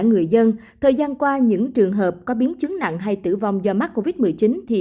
người dân thời gian qua những trường hợp có biến chứng nặng hay tử vong do mắc covid một mươi chín thì